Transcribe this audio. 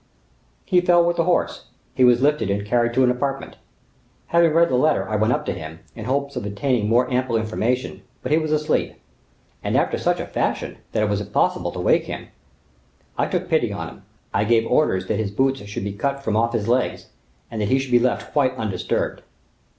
"He fell with the horse; he was lifted, and carried to an apartment. Having read the letter, I went up to him, in hopes of obtaining more ample information; but he was asleep, and, after such a fashion, that it was impossible to wake him. I took pity on him; I gave orders that his boots should be cut from off his legs, and that he should be left quite undisturbed."